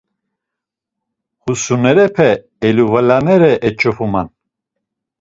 Husinerepe eluvelanere eç̌opuman.